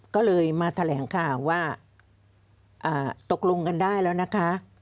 ก็เลยมาแถลงข่าวว่าตกลงกันได้แล้วนะคะ